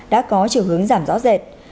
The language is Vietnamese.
đã có trường hướng giảm rõ rệt